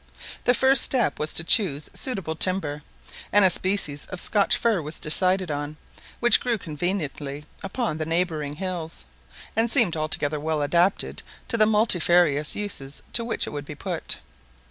The first step was to choose suitable timber, and a species of Scotch fir was decided on, which grew conveniently upon the neighbouring hills, and seemed altogether well adapted to the multifarious uses to which it would be put.